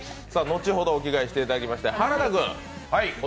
後ほどお着替えしていただきまして。